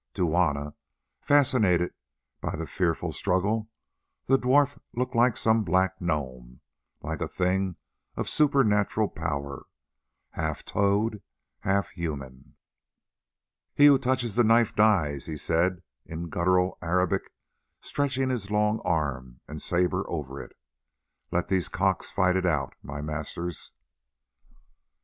To Juanna, fascinated by the fearful struggle, the dwarf looked like some black gnome, like a thing of supernatural power, half toad, half human. "He who touches the knife dies!" he said in guttural Arabic, stretching his long arm and sabre over it. "Let these cocks fight it out, my masters."